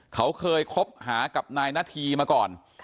เขาเคยคบหากับนายนาธีมาก่อน